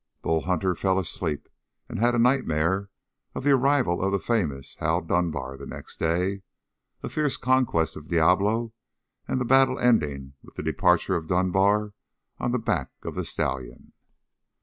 Bull Hunter fell asleep and had a nightmare of the arrival of the famous Hal Dunbar the next day, a fierce conquest of Diablo, and the battle ending with the departure of Dunbar on the back of the stallion.